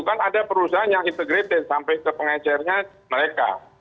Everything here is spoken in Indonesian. kan ada perusahaan yang integraten sampai ke pengencernya mereka